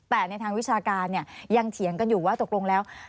แต่ในทางวิชาการเนี่ยยังเถียงกันอยู่ว่าตกลงแล้ว